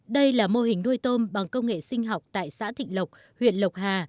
đây là mô hình nuôi tôm bằng công nghệ sinh học tại xã thịnh lộc huyện lộc hà